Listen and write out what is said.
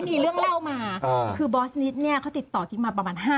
มากคุณชิคกี้พายคุณบ้านต้องถอนรถต้องถอนหัวหน้า